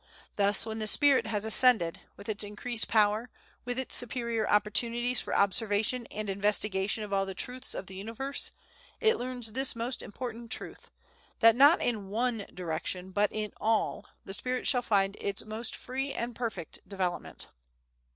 Thus, when the spirit has ascended, with its increased power, with its superior opportunities for observation and investigation of all the truths of the universe, it learns this most important truth, that not in one direction, but in all, the spirit shall find its most free and perfect development.